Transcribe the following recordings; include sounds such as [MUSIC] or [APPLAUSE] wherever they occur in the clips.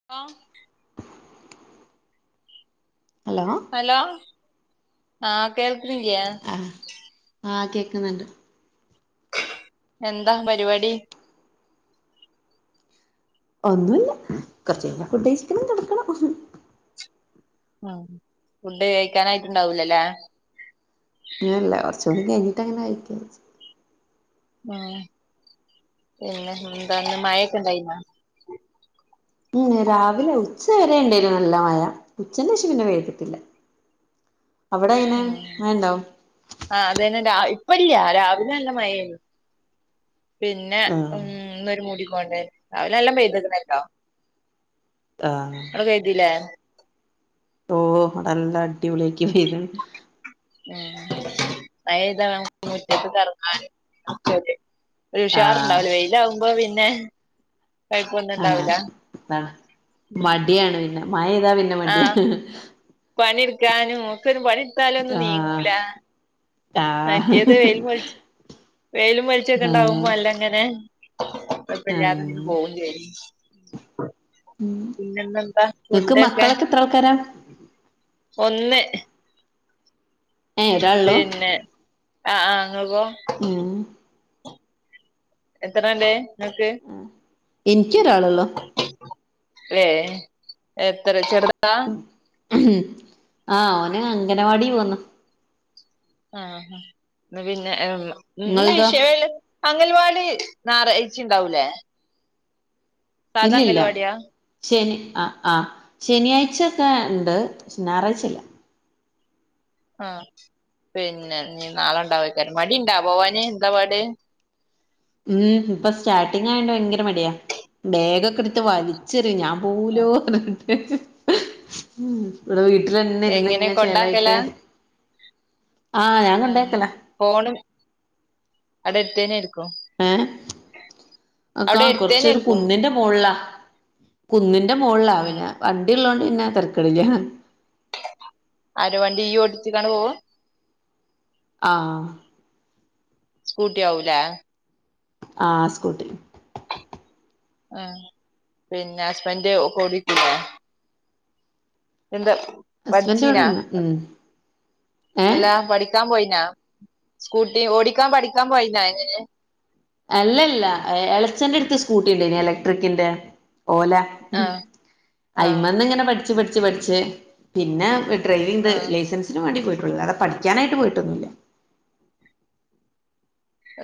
[UNINTELLIGIBLE] Hello hello ആഹ് കേൾക്കിണില്ലേ ആഹ് ആഹ് കേക്ക്ന്ന്ണ്ട് എന്താ പരിവാടി ഒന്നുംല്ല കൊർച്ചയ്ഞ്ഞാ ഫുഡ്ഡ് കഴിച്ചിക്കണം കെട് ആഹ് ഫുഡ്ഡ് കയിക്കാനായിട്ട് ണ്ടാവൂലല്ലേ ഇല്ലല്ല കൊർച്ചൂടി കെയിഞ്ഞിട്ടങ്ങനെ കയിക്കാച്ച് ആഹ് പിന്നെ എന്താന്ന് മഴേക്കെ ണ്ടായീനാ ഉം രാവിലെ ഉച്ചവരെ ണ്ടെയിനു നല്ല മഴ ഉച്ചൻ്റെ ശം പിന്നെ പെയ്തിട്ടില്ല [INAUDIBLE] അവടെ അയിന് മഴണ്ടോ ആഹ് അത് ന്നെ രാവി ഇപ്പല്ല രാവിലെ നല്ല മഴേന്നു പിന്നെ ആഹ് ഉം ന്നൊരു മൂടി കൊണ്ടന്നെ രാവിലെ നല്ലം പെയ്ത്ക്ക്ണ്ല്ലോ ആഹ് അടെ പെയ്തിലേ? ഓഹ് നല്ല അടിപൊളിയാക്കി പെയ്ത്ണ് ഉം മയയ്താ മുറ്റത്ത്ക്കെറങ്ങാനും [UNINTELLIGIBLE] ഒരു ആഹ് ഉഷാറുണ്ടാവുല വെയിലാവുമ്പോ പിന്നെ കൊഴപ്പോന്നും ഒണ്ടാവുലാ ഉം ടിയാണ് പിന്നെ മയയ്താ പിന്നെ മടിയാണ് പണിട്ക്കാനും ഒ ക്കൊരു പണിട്ത്താലൊന്നും ആഹ് നീങ്ങൂലാ ആഹ് മറ്റിയത് വെലും വെളി വെലും ആഹ് വെളിച്ചൊക്കെണ്ടാവുമ്പോ നല്ല ങ്ങനെ കൊയപ്പല്ലാതെ ങ്ങനെ ആഹ് പോവും [INAUDIBLE] പിന്നെ ഇന്നെന്താ ഫുഡേക്കെ ത്ര ആൾക്കാരാ ഒന്ന്. ഏഹ് ഒരാളൊള്ളൂ പിന്നെ ആഹ് ആഹ് ഇങ്ങക്കോ? ഉം എത്രണ്ട് ഇങ്ങക്ക്? ഇൻക്ക്യോരാളൊള്ളൂ. ഏഹ് എത്ര ചെർതാ? ആഹ് ഓന് അംഗനവാടി പോന്ന്. ആഹ് ന്ന് പിന്നെ ന്ന് ഇങ്ങൾതോ [UNINTELLIGIBLE] അങ്കൽവാടി ഞായറാഴ്ച്ചിം ണ്ടാവൂലേ? ഇല്ലില്ല. ശനി ആഹ് ആഹ് ശനിയാഴ്ചൊക്കെ ഉണ്ട് ഞായറാഴ്ചല്ല്യ. ആഹ് പിന്നെ ഇഞ്ഞി നാളെ ഉണ്ടാവാക്കാരം മടിണ്ടാ പോവാന് എന്താപാട്? ഉം ഇപ്പൊ സ്റ്റാർട്ടിങ് ആയോണ്ട് ഭയങ്കര മടിയാ ബേഗൊക്കെ ട്ത്ത് വലി ചെറിം ഞാൻ പോവൂലോന്ന് പർഞ്ഞിട്ട്. ഉം ഇവടെ വീട്ടിലന്നെ ഇര്ന്ന് എങ്ങനെ ഇങ്ങനെ ചേലായിട്ട്. കൊണ്ടാക്കലാ ഞാൻ ആഹ് കൊണ്ടേക്കലാ ഫോണും അവടെട്ത്തെന്നെ. ഏഹ് കാ അവിടെ കൊർചൊരു എടുത്തേനായിരിക്കും കുന്നിന്റെ മോ മോള്ള കുന്നിന്റെ മോള്ളാ ആഹ് പിന്നെ വണ്ടിള്ളോണ്ട് പിന്നെ തര്ക്കട് ല്ല്യ. ആര് വണ്ടിയ്യ് ഓടിച്ചാണ്ട് പോവ്വാ? ആഹ്. സ്കൂട്ടി ആവൂലേ? ആഹ് സ്കൂട്ടി. ആഹ് പിന്നെ ഹസ്ബൻഡ് കൊടി [UNINTELLIGIBLE] എന്താ ഹസ്ബൻഡ് പഠിച്ചീനാ ഇവിടെണ്ട് ഉം ഏഹ് എല്ലാ പഠി ക്കാൻ പോയിനാ സ്കൂട്ടി ഓടിക്കാൻ പഠിക്കാൻ പോയിന എങ്ങനെ? അല്ലല്ല എളച്ചന്റെട്ത്ത് സ്കൂട്ടി ഇണ്ടേനി ഇലക്ട്രിക്കിന്റെ ഓല. ഉം ആഹ് ആഹ് അയി്മന്ന് ങ്ങനെ പട്ച്ച് പട്ച്ച് പഠിച്ച് പിന്നെ എട് ഡ്രൈവിംഗ് ആഹ് ലൈസൻസിന് വേണ്ടി പോയിട്ടുളള്ളൂ വേറെ പഠിക്കാനായിട്ട് പോയിട്ടൊന്നുല്ല.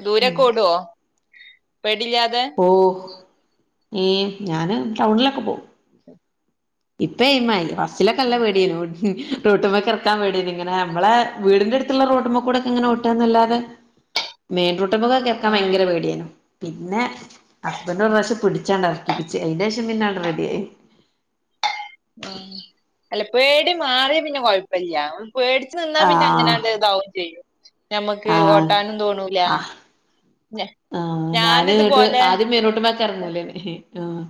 ദൂരൊക്കെ ഓടോ പേടില്ലാതെ? ഓ ഏഹ് ഞാന് ടൗണിലൊക്കെ പോവും. ഇപ്പ എയിം ആയി ഫസ്സിലൊക്കെ നല്ല പേട്യേനു. റോട്ട് മക്ക് എർക്കാൻ പേട്യേനി ഇങ്ങന നമ്മളേ വീടിന്റെട്ത്തുള്ള റോട്ട്മ്മക്കൂടെ ഇക്കെങ്ങനെ ഓട്ടാന്നല്ലാതെ. [UNINTELLIGIBLE] മെയിൻ റോട്ട്മ്മക്കൊക്കെ എർക്കാൻ ആഹ് ഭയങ്കര പേട്യേനി പിന്നെ ഹസ്ബൻറ് ഒര് പ്രാവശം പിടിചാണ്ടർ ക്കിപ്പിച്ച് അയിന്റെഷം പിന്നാണ്ട് റെഡി ആയി. [INAUDIBLE] ആഹ്. അല്ല പേടി മാറിയ പിന്നെ കൊയ്പ്പല്ല്യ പേടിച്ച് നിന്നാ പിന്നെ ആഹ് അങ്ങനാണ്ട് ഇതാവും ചെയ്യും. ഞമ്മക്ക് ആഹ് ഓട്ടാനും തോണൂല. ആഹ് ആഹ് ഞാന് എന്നട്ട് ഞാനിതുപോലെ ആദ്യം മെയിൻ റോട്ട്മക്ക് എർങ്ങൂലേനി ആഹ്.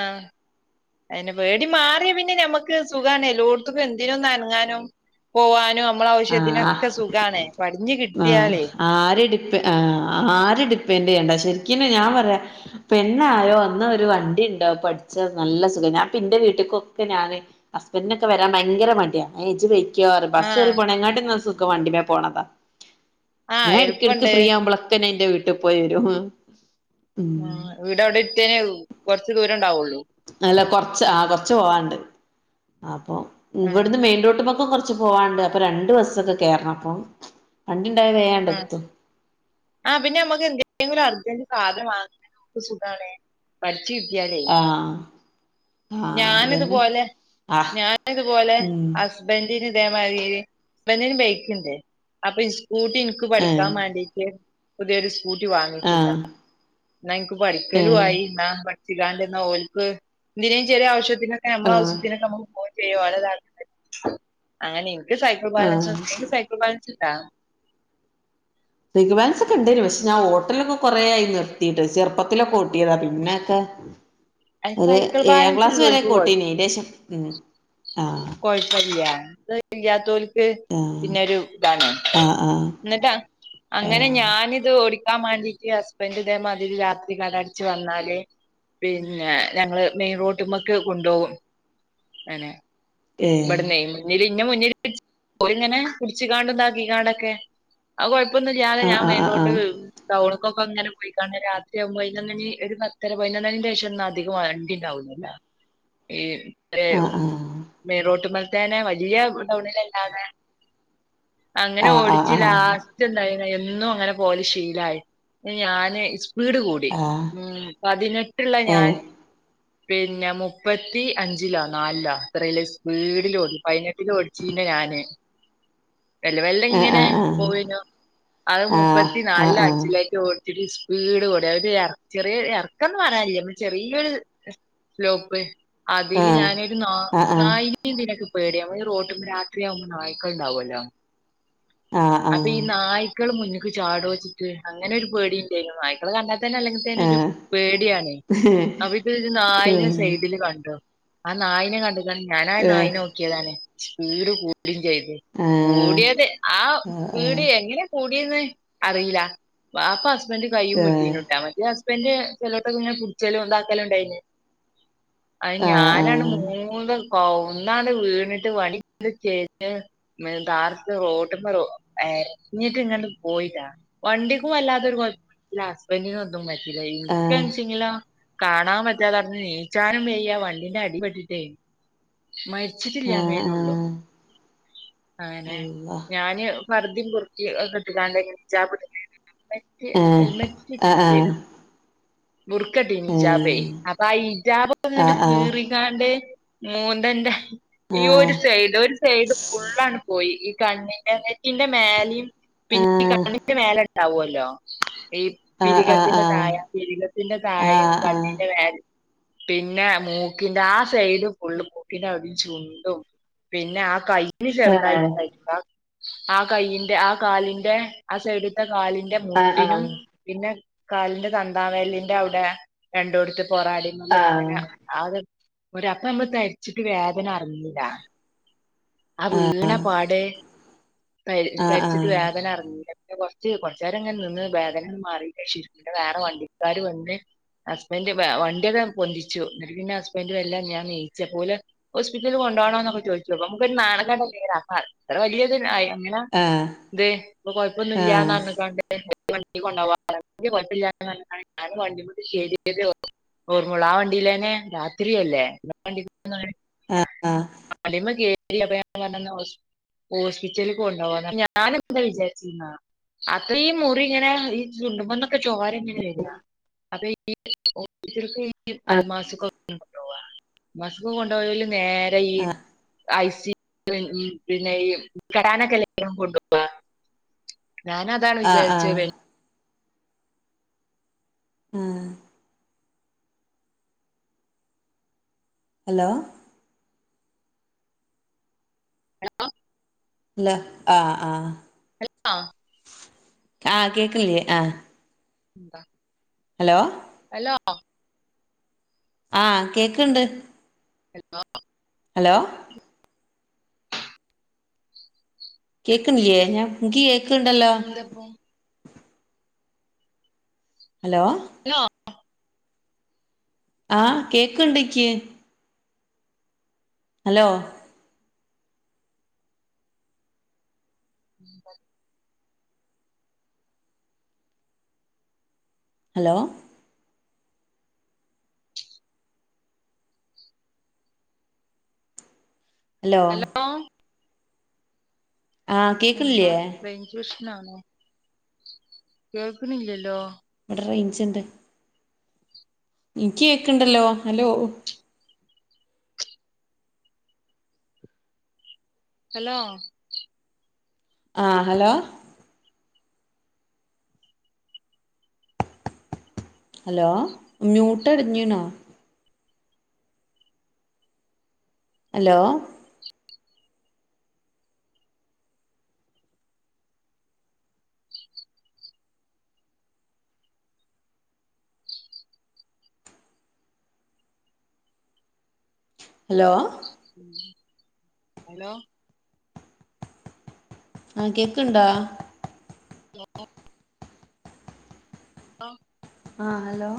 ആഹ്. അയെന്നെ പേടി മാർയാ പിന്നെ ഞമ്മക്ക് സുഗാണ് എല്ലോട്ത്ത്ക്കും എന്തിനൊന്ന് അനങ്ങാനും. പോവാനും നമ്മള ആഹ് ആവശ്യത്തിനൊക്കെ സുഖാണ് പട്ഞ്ഞ് കിട്ട്യാല്. ആരെട് ആഹ് ആരിം ഡിപ്പെൻഡറ് ചെയ്യണ്ട ശര്ക്കിനും ഞാൻ പർയാ. പെണ്ണായോ ഒന്ന് ഒരു വണ്ടി ഇണ്ടോ പഠിച്ച നല്ല സുഖ ഞാൻപ്പന്റെ വീട്ട്ക്കൊക്കെ ഞാന്. ഹസ്ബൻഡിനൊക്കെ വരാൻ ഭയങ്കര മട്യ ഇജ് പൊയ്ക്ക്യോറിം. ആഹ് ബസേറി പോണേങ്ങാട്ടിന്നാ സുഖം വണ്ടിമേ പോണതാ ആഹ് ഞാൻ എട്ക്കെടുക്ക് എളുപ്പണ്ട് ഫ്രീ ആവുമ്പൊളെ ക്കെ എന്റെ വീട്ടി പോയി വരും. ഉം ആഹ് വീടവ്ടെട്ത്തെന്നെ കൊർച്ച് ദൂരം ഉണ്ടാവുള്ളൂ. അല്ല കൊറച്ച് ആഹ് കൊറച്ച് പോവാണ്ട് അപ്പം ആഹ് ഇവിടുന്ന് മെയിൻ റോട്ടിന്നൊക്കെ കുറച്ച് കുറച്ച് പോവാണ്ട് അപ്പൊ രണ്ട് ബസ്സൊക്കെ കേറണം അപ്പം വണ്ടിണ്ടായ വേഗങ്ങണ്ട് ആഹ് എത്തും ആഹ് പിന്നെ നമ്മക്ക് എന്തെങ്കിങ്കും അർജന്റ്സാധനം വാങ്ങാൻ സുഖാണേ പഠിച്ചു കിട്ടിയാലേ ആഹ് ആഹ് അതന്നെ ഞാനിതുപോലെ ആഹ് ഞാനിതുപോലെ ഉം ഹസ്ബന്റിന് ഇതേമാതിരി ഹസ്ബന്റിന് ബൈക്കുണ്ട് അപ്പൊ ഈ സ്കൂട്ടി ഇതു ഏഹ് പഠിക്കാൻ വേണ്ടിട്ട് പുതിയൊരു സ്കൂട്ടി വാങ്ങിച്ചുട്ടാ ആഹ് എന്നാ എനിക്ക് ഏഹ് പഠിക്കലുമായി എന്നാ പടിച്ചിങ്ങാണ്ടിരുന്ന ഓല്ക്ക് എന്തിനേയും ചെറിയ ആവശ്യത്തിന് നമ്മളെ ആഹ് ആവശ്യത്തിനൊക്കെ നമുക്ക് പോവു ചെയ്യാ ഓരിതാവശ്യത്തിന് അങ്ങനെയും ഇക്ക് സൈക്കിൾ ആഹ് ബാലൻസുണ്ട് ഇങ്ങക്ക് സൈക്കിൾ ബാലൻസിണ്ടാ സൈക്കിൾ ബാലൻസൊക്കെ ഇണ്ടേനു പക്ഷെ ഞാൻ ഓട്ടലൊന്നും കൊറേയായി നിർത്തീട്ട് ചെറുപ്പത്തിലൊക്കെ ഓട്ടിയതാ പിന്നെക്കെ അയ്ന് ഒരു സൈക്കിൾ ഏഴാം ബാലൻസ് ക്ലാസ് ഇള്ളോൽക്ക് വരെയൊക്കെ കൊഴ ഓട്ടീനിം അയിന്റെഷം ആഹ് കൊയപ്പല്ല അത് ഇല്ലാത്തോല്ക്ക് ആഹ് പിന്നൊരിതാണ് ആഹ് ആഹ് ഇന്നട്ട് അങ്ങനെ ആഹ് ഞാനിത് ഓടിക്കാൻ മാണ്ടി ഈ ഹസ്ബൻഡ് ഇതേ മാതിരി രാത്രി കട അടച്ചു വന്നാല് പിന്നെ ഞങ്ങള് മെയിൻ റോട്ടിമ്മക്ക് കൊണ്ടോകും അനെ ഏഹ് ഇബട്ന്നേ മുന്നിൽ ഇന്നെ മുന്നിൽ വച്ച് ഓരിങ്ങനെ പിടിച്ച്ങ്ങാണ്ടും ഇതാക്കിങ്ങാണ്ടൊക്കെ ആഹ് കൊഴപ്പൊന്നുല്ലാതെ ഞാൻ ആഹ് ആഹ് മെയിൻറോട്ട് ആഹ് ക് ടൗണുക്കൊക്കെ ഇങ്ങനെ പോയിക്കാണ്ട് രാത്രിയാകുമ്പോയ്ന്നരി ഒരു പത്തര പതിനൊന്നരന്റെ ശേഷമൊന്നും അധികം വണ്ടിണ്ടാവുല്ല ഈ ഡ്രെ മെയിൻ റോട്ടിമേൽത്തേനെ വല്യ ടൗണിലല്ലാതെ അങ്ങനെ ആഹ് ആഹ് ഓടിച്ച് ആഹ് ആഹ് ആഹ് ആഹ് ലാസ് റ്റ് എന്തായിനൊ എന്നും അങ്ങനെ പോവല് ശീലായി ഞാന് സ്പീഡ് കൂടി ആഹ് ഉം പതിനെട്ട്ള്ള ഞാൻ ഏഹ് പിന്നെ മുപ്പത്തി അഞ്ചിലോ നാലിലോ അത്രയ്ല് സ്പീഡില് ഓടി പതിനെട്ടില് ഓടിച്ചിരുന്ന ഞാന് മെല്ലെ മെല്ലെ ആഹ് ഇങ്ങനെ ആഹ് ആഹ് പോയിനു അത് മുപ്പത്തി ആഹ് ആഹ് ആഹ് ആഹ് നാലിലോ ആഹ് അഞ്ചിലേക്ക് ഓടിച്ചിട്ട് സ്പീഡ് ഓടി അവര് ചെറിയ എർ എറക്കന്ന് പറയാനില്ല പിന്നെ ചെറിയൊര് സ്ലോപ്പ് അതില് ആഹ് ഞാനൊരു ന്നാ ആഹ് ആഹ് നന്നായി ഇതിനൊക്കെ പേടിയാണ് ഈ റോട്ടുമല് രാത്രിയാകുമ്പോ നായ്ക്കളുണ്ടാവുമല്ലോ അതീ ആഹ് ഈ നായ്ക്കള് മുന്നിക്ക് ചാടോച്ചിട്ട് അങ്ങനൊരു പേടിണ്ടായിരുന്നു നായ്ക്കളെ കണ്ടാൽ തന്നെ അല്ലെങ്കിൽ ഇച്ച് അയിനൊരു ഏഹ് പേടിയാണേ ഏഹ് ആഹ് അവിടൊരു ആഹ് ആഹ് ഏഹ് നായിനെ ആഹ് സൈഡില് കണ്ടു ആഹ് നായിനെ കണ്ട്ങ്ങാണ്ട് ഞാനാ ആഹ് നായിനെ നോക്കിയതാണ് സ്പീഡ് കൂട്ടിം ചെയ്ത് ആഹ് കൂടിയത് ആഹ് സ്പീട് എങ്ങനെയാ കൂടിയെന്ന് അറീല വാപ്പ അസ് ഹസ്ബൻഡ് കൈയും വിട്ടീനുംട്ടൊ മറ്റേ ഹസ് ബന്റ് ചെലോട്ത്തൊക്കെ ഇങ്ങനെ പുടിച്ചലും ഇതാക്കലും ഇണ്ടായിനിം അത് ഞാനാണ് മു ആഹ് മൂന്ന് കൗന്നാണ് വീണിട്ട് വണി [INAUDIBLE] ചെരിഞ്ഞ് മ് ഡാർട്ട റൊട്ട് ക്കെറോ ഏഹ് ഇഞ്ഞിട്ട് ഇങ്ങട്ട് പോയിട്ടാ വണ്ടിക്കും വല്ലാതൊരു കൊഴപ്പില്ലാ അ സ്ബെന്റിനൊന്നും പറ്റില ആഹ് ആഹ് ഇൻക്കാണിച്ചിങ്ങലോ കാണാൻ പറ്റാതെ അവിടെന്ന് നീച്ചാനും വയ്യാ വണ്ടിന്റെ അടിപ്പെട്ടിട്ടേ ആഹ് മരിച്ചിട്ടില്ലാന്നേനൊള്ളൂ അങ്ങനെ അള്ളാ ഞാന് പർദീം ബുർക്കി ഒക്കെ ഇട്ട്ങ്ങാണ്ടേനി ഹിജാബ് ഇട്ട്ങ്ങാ റ്റ് ഏഹ് ഹെൽമെറ്റ് ആഹ് ഇട്ടിട്ടിലേയ്നു ആഹ് ബുർക്കട്ടീനു ഹിജാബേ ഏഹ് അപ്പൊ ആ ഹിജാബൊന്നങ്ങട് ആഹ് ആഹ് ആഹ് കീറിങ്ങാണ്ട് മൂന്തന്റെ ഈ ഒരു സൈഡ് ഒരു സൈഡ് ഫുള്ളാണ് പോയി ഈ കണ്ണിന്റെ നെ റ്റിന്റെ മേലിം ആഹ് പിന്നെ ഈ കണ്ണിന്റെ മേലെണ്ടാവു അല്ലോ ഈ ആഹ് ആഹ് പിരികത്തിന്റെ ആഹ് താഴെ പിരികത്തിന്റെ താഴിം ആഹ് കണ്ണീന്റെ മേലെ പിന്നെ മൂക്കിന്റെ ആഹ് സൈഡും ഫുള്ളും മൂക്കിന്റെ അവ്ടിം ചുണ്ടും പിന്നെ ആ കൈയ്യിന് ആഹ് ചെറുതായിട്ട് [UNINTELLIGIBLE] ആ ആ കൈയിന്റെ ആ കാലിന്റെ ആ സൈഡ്ത്തെ കാലിന്റെ ആഹ് മുട്ടിനും, ആഹ് പിന്നെ കാലിന്റെ തന്താവെര്ലിന്റെ അവ്ടെ, രണ്ടോടത്ത് പൊറടിമലും ആഹ് അങ്ങനെ. അത് ഒര അപ്പ നമ്മൾ തരിച്ചിട്ട് വേദന അറിഞ്ഞില. ആ വീണ പാടെ തരി ആഹ് ആഹ് ആഹ് തരിച്ചിട്ട് വേദന അറിഞ്ഞീല. കൊറച്ച് കൊറച്ചേരങ്ങനെ നിന്ന് വേദനകൾ മാറിട്ട ശരിക്. വേറെ വണ്ടിക്കാര് വന്ന്. ഹസ്ബൻഡ് വണ്ടിയാദ്യം പൊന്തിച്ചു. ഇന്നട്ട് പിന്നെ ഹസ്ബൻഡ് വെല്ലേ ഞാൻ നീച്ച് അപ്പോലെ ഹോസ്പിറ്റല് കൊണ്ടോണോന്നൊക്കെ ചോയിച്ചു അപ്പൊ ഒര് നാണം കെട്ടനേരാ അപ്പഅത്ര വലിയത് ഇല്ല അയ് അങ്ങനാ ആഹ് ഇത് ഇപ്പൊ കൊഴപ്പൊന്നില്ലാന്ന് പറഞ്ഞങ്ങാണ്ട് വണ്ടി കൊണ്ടുകാൻ - [UNINTELLIGIBLE] ഞൻ വണ്ടി മമക്ക് കേറിയ തേഓർമൊള്ളൂ. ആ വണ്ടിയിലേന്നെ രാത്രിയല്ലേ? [UNINTELLIGIBLE] ആഹ് ആഹ് ആഹ് വണ്ടിമ്മ കേറ്റി [UNINTELLIGIBLE] ഹോസ്പിറ്റൽക്ക് കൊണ്ടോകാനാ ഞാന് എന്താ വിചാരിച്ച്ന്നാ? അത്രീം മുറി ഇങ്ങനെ ഈ ചുണ്ടുമ്മന്നൊക്കെ ചോരങ്ങനെ വരാ. അപ്പ ഈ ഓ [UNINTELLIGIBLE] ആഹ് അൽമാസ്ക്കൊക്കെ കൊണ്ടുപോവാ. അൽമാസക്കൊക്കെ കൊണ്ടുപോയാൽ നേരെ ഈ, - ആഹ് ഐസി ഉ പിന്നെ ഈ കടാന കലം കൊണ്ടുപോവാ [INAUDIBLE] ഞാന് അതാണ് ആഹ് ആഹ് വിചാരിച്ചത് ആ. ഹലോ. ഹലോ. ആ ആഹ. ഹലോ. ആഹ്, കേക്കണ്ലേ? ആഹ്. എന്താ? ഹലോ. ഹലോ. ആഹ. കേക്ണ്ട്. എന്ത [INAUDIBLE] ഹലോ. കേക്കുന്നില്ലേ? ഞാൻ ക്കി കേക്ക്ണ്ടല്ലോ? എപ്പോ? ഹലോ. ഹലോ. ആഹ. കേക്ക്ണ്ട്ക്കി. ഹലോ. ഹലോ. ഹലോ. ആഹ് കേക്ക്ണില്ലേ എന്താ റെയ്ഞ്ച് പ്രശ്നാണോ? കേൾക്ണില്ലല്ലോ? ഇവിടെ റേയ്ഞ്ച്ണ്ട്. ഇനിക്കി കേക്ണ്ടല്ലോ? ഹലോ? ഹലോ. ആ. ഹലോ. ഹലോ. മ്യൂട്ട്ടിഞ്ഞുണോ? ഹലോ. ഹലോ. ഹലോ. ആഹ. കേക്ക്ണ്ടോ? ഹലോ. ആഹ്. ആഹ് ഹലോ?